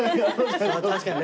確かにね。